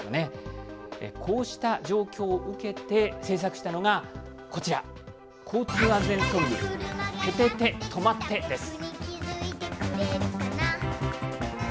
こうした状況を受けて制作したのがこちら、交通安全ソング「ててて！とまって！」です。